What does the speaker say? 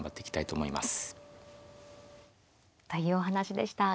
というお話でした。